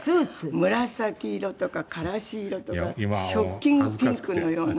紫色とかからし色とかショッキングピンクのような。